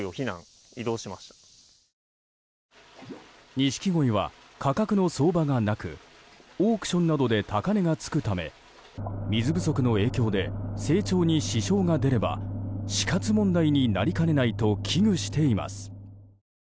ニシキゴイは価格の相場がなくオークションなどで高値が付くため水不足の影響で成長に支障が出れば死活問題になりかねないと危惧しています。